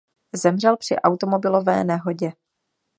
Zemřel při automobilové nehodě.